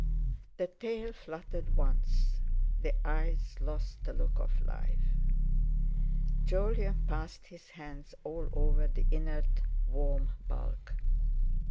The tail fluttered once; the eyes lost the look of life. Jolyon passed his hands all over the inert warm bulk.